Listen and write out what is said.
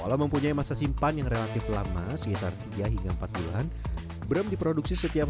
walau mempunyai masa simpan yang relatif lama sekitar tiga hingga empat bulan brem diproduksi setiap